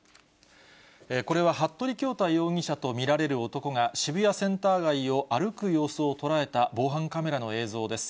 これは服部恭太容疑者と見られる男が、渋谷センター街を歩く様子を捉えた、防犯カメラの映像です。